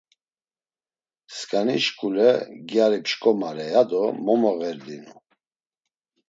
Skani şkule gyari pşkomare ya do momoğerdinu.